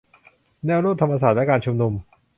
แนวร่วมธรรมศาสตร์และการชุมนุม